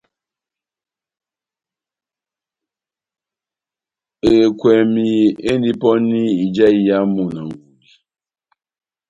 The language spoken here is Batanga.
Ekwɛmi endi pɔni ija iyamu na ngudi